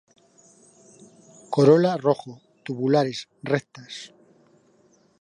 Corola rojo, tubulares, rectas.